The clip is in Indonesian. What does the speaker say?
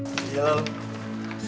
nih jalan lho